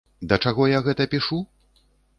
Да чаго я гэта пішу?